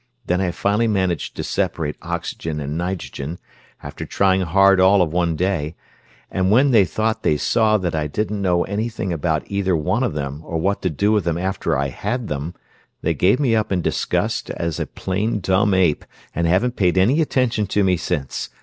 Then I finally managed to separate oxygen and nitrogen, after trying hard all of one day; and when they thought they saw that I didn't know anything about either one of them or what to do with them after I had them, they gave me up in disgust as a plain dumb ape and haven't paid any attention to me since.